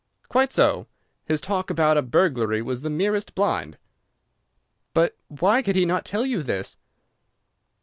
"Quite so. His talk about a burglary was the merest blind." "But why could he not tell you this?"